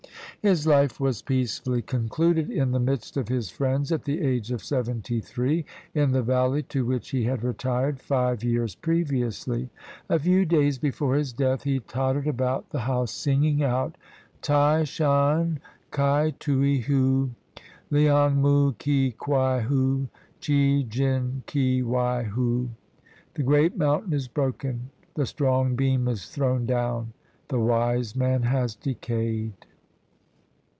His life was peacefully concluded in the midst of his friends at the age of seventy three, in the valley to which he had retired five years previously. A few days before his death he tottered about the house, sighing out — 17 CHINA Tai shan, ki tui hu! Liang muh, ki kwai hu! Chi jin, ki wei hu! The great mountain is broken! The strong beam is thrown down! The wise man has decayed!